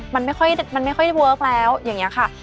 มันไม่ค่อยเวิร์คแล้วอย่างนี้ค่ะ